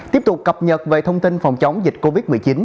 tiếp tục cập nhật về thông tin phòng chống dịch covid một mươi chín